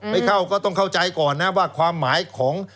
ไม่เข้าก็ต้องเข้าใจก่อนนะว่าความหมายของ